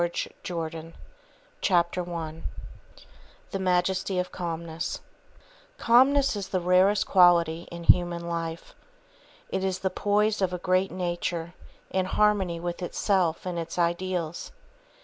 THE ROYAL ROAD TO HAPPINESS I The Majesty of Calmness Calmness is the rarest quality in human life. It is the poise of a great nature, in harmony with itself and its ideals.